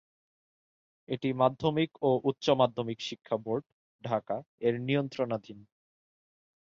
এটি মাধ্যমিক ও উচ্চ মাধ্যমিক শিক্ষা বোর্ড, ঢাকা-এর নিয়ন্ত্রণাধীন।